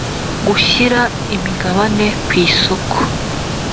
gushyira imigabane ku isoko